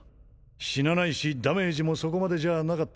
死なないしダメージもそこまでじゃなかっ